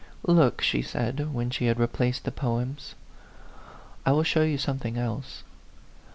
"Look," she said, when she had replaced the poems, " I will show you something else."